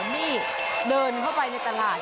นี่เดินเข้าไปในตลาด